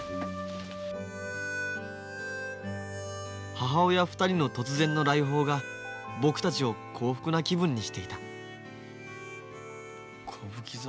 母親２人の突然の来訪が僕たちを幸福な気分にしていた歌舞伎座